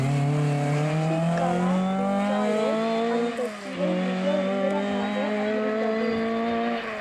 குதிக்கலாமென்றாலோ, அந்தக் கிளை மிக உயரமாக இருந்தது.